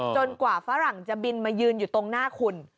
กว่าฝรั่งจะบินมายืนอยู่ตรงหน้าคุณ